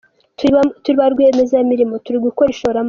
Turi ba rwiyemezamirimo, turi gukora ishoramari.